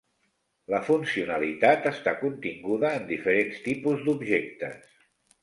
La funcionalitat està continguda en diferents tipus d'objectes.